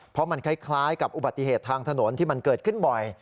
เพราะมันคล้ายกับอุบัติเหตุทางถนนที่มันเกิดขึ้นบ่อย